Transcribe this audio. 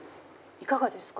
いかがですか？